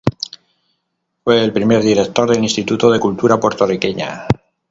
Fue el primer director del Instituto de Cultura Puertorriqueña.